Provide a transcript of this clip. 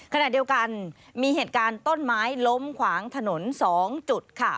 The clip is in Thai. ขณะเดียวกันมีเหตุการณ์ต้นไม้ล้มขวางถนน๒จุดค่ะ